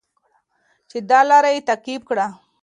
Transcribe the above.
چې دا لاره یې تعقیب کړه.